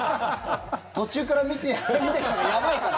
途中から見てる人やばいから。